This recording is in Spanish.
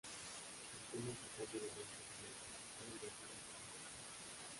El tema oficial del evento fue ""Capital"" de Jim Johnston.